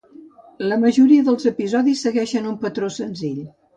La majoria dels episodis segueixen un patró senzill.